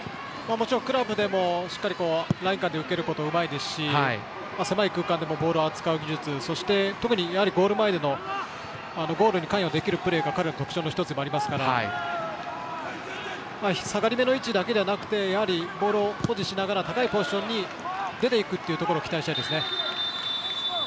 クラブでも、しっかりライン間で受けることうまいですし狭い空間でボールを扱う技術そして、特にゴール前でのゴールに関与できるプレーが彼の特徴の１つでもありますから下がりめの位置だけではなくてボールを保持しながら高いポジションに出ていくということを期待したいですね。